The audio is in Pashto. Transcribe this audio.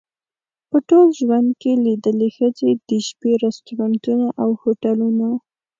په ټول ژوند کې لیدلې ښځې د شپې رستورانتونه او هوټلونه.